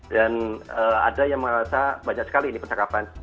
dan ada yang merasa banyak sekali ini percakapan